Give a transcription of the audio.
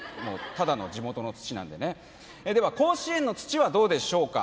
ただの地元の土なんでねでは甲子園の土はどうでしょうか